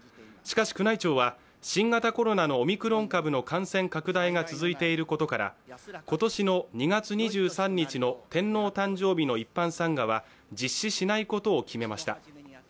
しかし宮内庁は、新型コロナのオミクロン株の感染拡大が続いていることから、今年の２月２３日の天皇誕生日の一般参賀は実施しないことを決めました。